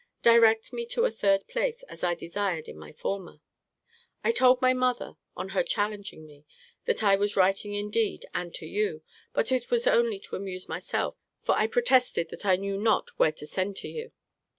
Direct me to a third place, as I desired in my former. I told my mother (on her challenging me) that I was writing indeed, and to you: but it was only to amuse myself; for I protested that I knew not where to send to you.